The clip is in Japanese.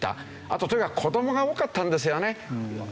あととにかく子どもが多かったんですよね。